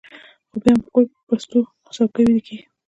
خو بیا هم په کور کې په پستو څوکیو ویده کېږي